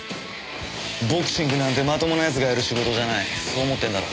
ボクシングなんてまともな奴がやる仕事じゃないそう思ってんだろ。